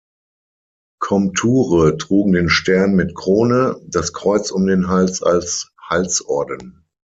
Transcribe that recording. Komture trugen den Stern mit Krone, das Kreuz um den Hals als Halsorden.